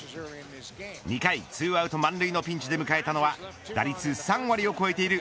２回２アウト満塁のピンチで迎えたのは打率３割を超えている